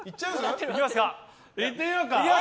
いってみようか！